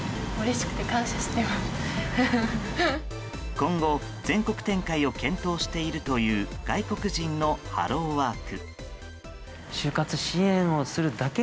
今後全国展開を検討しているという外国人のハローワーク。